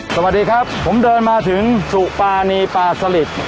สวัสดีครับผมเดินมาถึงสุปานีปาสลิด